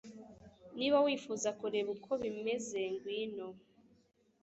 Niba wifuza kureba uko bimeze ngwino